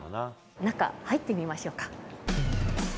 中、入ってみましょうか。